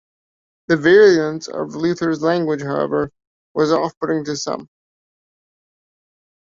The virulence of Luther's language however, was off-putting to some.